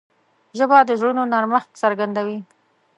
ژبه د زړونو نرمښت څرګندوي